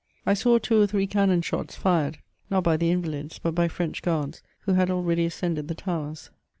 I saw two or three cannon shots fired, not by the invalids, but by French duards, who had already ascended the towers.